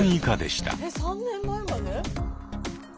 えっ３年前まで？